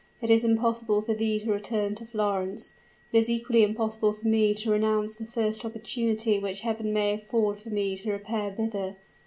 It is impossible for thee to return to Florence: it is equally impossible for me to renounce the first opportunity which Heaven may afford for me to repair thither!